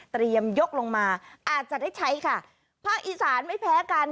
เตรียมยกลงมาอาจจะได้ใช้ค่ะพระอีสารไม่แพ้กัน